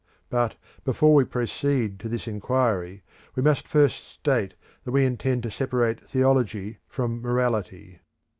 But before we proceed to this inquiry, we must first state that we intend to separate theology from morality.